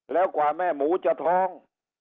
แล้วกว่าแม่หมูจะท้อง